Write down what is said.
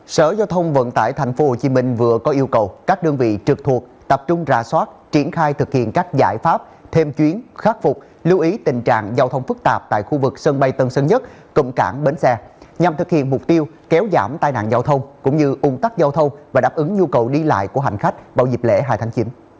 sở giao thông vận tải tp hcm vừa có yêu cầu các đơn vị trực thuộc tập trung ra soát triển khai thực hiện các giải pháp thêm chuyến khắc phục lưu ý tình trạng giao thông phức tạp tại khu vực sân bay tân sơn nhất cụm cảng bến xe nhằm thực hiện mục tiêu kéo giảm tai nạn giao thông cũng như ung tắc giao thông và đáp ứng nhu cầu đi lại của hành khách vào dịp lễ hai tháng chín